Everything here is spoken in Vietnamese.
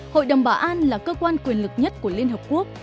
hội đồng bảo an là cơ quan quyền lực nhất của liên hợp quốc